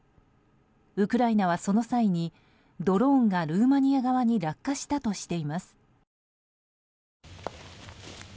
ウクライナはその際にドローンがルーマニア側に落下したとしています。